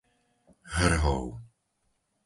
Hrhov